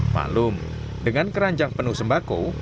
maklum dengan keranjang penuh sembako